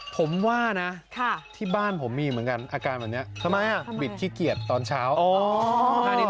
ผมว่านะที่บ้านผมมีเหมือนกันอาการแบบนี้ทำไมบิดขี้เกียจตอนเช้า